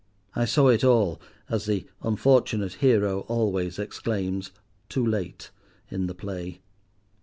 I saw it all, as the unfortunate hero always exclaims, too late, in the play.